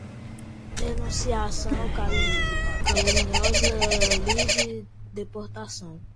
denunciação caluniosa, lide, deportação